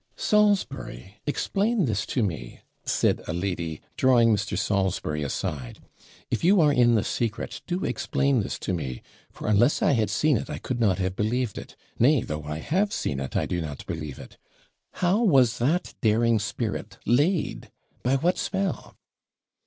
'Salisbury! explain this to me,' said a lady, drawing Mr. Salisbury aside. 'If you are in the secret, do explain this to me; for unless I had seen it, I could not have believed it. Nay, though I have seen it, I do not believe it. How was that daring spirit laid? By what spell?'